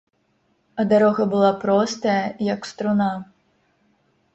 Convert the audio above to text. А дарога была простая, як струна.